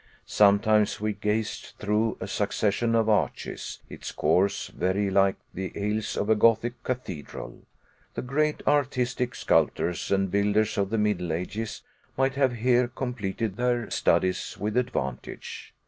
Sometimes we gazed through a succession of arches, its course very like the aisles of a Gothic cathedral. The great artistic sculptors and builders of the Middle Ages might have here completed their studies with advantage.